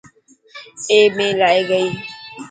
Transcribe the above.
آي ميل ائي گئي.